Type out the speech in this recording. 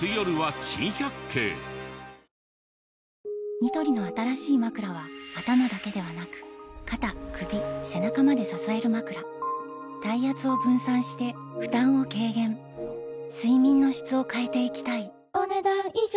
ニトリの新しいまくらは頭だけではなく肩・首・背中まで支えるまくら体圧を分散して負担を軽減睡眠の質を変えていきたいお、ねだん以上。